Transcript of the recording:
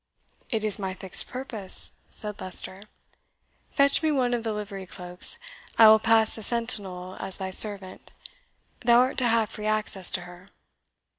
"It is my fixed purpose," said Leicester. "Fetch me one of the livery cloaks; I will pass the sentinel as thy servant. Thou art to have free access to her."